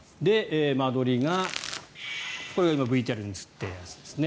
間取りがこれもＶＴＲに映ったやつですね。